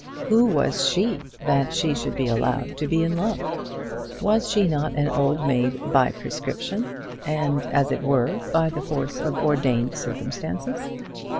Who was she, that she should be allowed to be in love? Was she not an old maid by prescription, and, as it were, by the force of ordained circumstances?